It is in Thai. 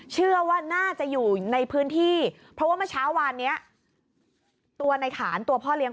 เชื่อว่าน่าจะอยู่ในพื้นที่